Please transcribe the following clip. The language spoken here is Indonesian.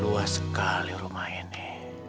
luas sekali rumah ini